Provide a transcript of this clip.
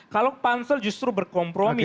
kalau pansel justru berkompromi